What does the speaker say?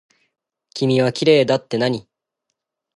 君はきれいだってなに。